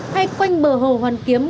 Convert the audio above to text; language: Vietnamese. hay quanh bờ hồ hoàn kiếm